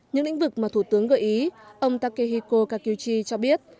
những lĩnh vực mà thủ tướng gợi ý ông takehiko kakuchi cho biết